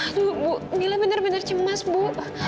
aduh bu mila bener bener cemas bu